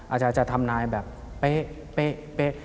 อาจารย์จะทำนายแบบเป๊ะเป๊ะเป๊ะ